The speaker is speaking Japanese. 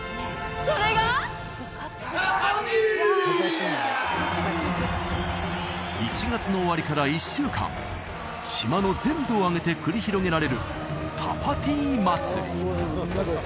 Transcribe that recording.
それが１月の終わりから１週間島の全土を挙げて繰り広げられるタパティ祭り